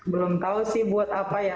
belum tahu sih buat apa ya